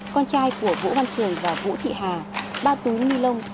con trai của vũ văn cường và vũ thị hà ba túi ni lông